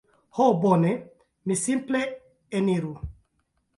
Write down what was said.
Ho bone... mi simple eniru...